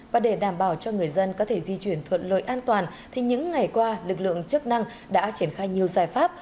và để đảm bảo cho người dân có thể di chuyển thuận lợi an toàn thì những ngày qua lực lượng chức năng đã triển khai nhiều giải pháp